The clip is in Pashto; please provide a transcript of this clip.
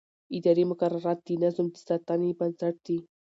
اداري مقررات د نظم د ساتنې بنسټ دي.